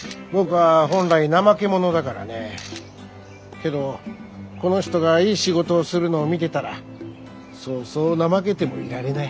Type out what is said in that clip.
けどこの人がいい仕事をするのを見てたらそうそう怠けてもいられない。